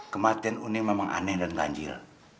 kematian unik memang aneh dan ganjil